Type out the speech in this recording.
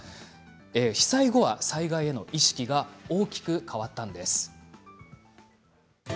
被災後は災害への意識が大きく変わりました。